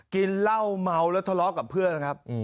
กินเหล้าเมาแล้วทะเลาะกับเพื่อนครับ